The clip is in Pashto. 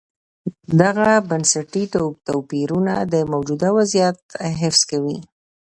دغه بنسټي توپیرونه د موجوده وضعیت حفظ کوي.